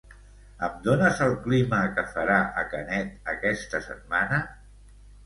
Em dones el clima que farà a Canet aquesta setmana?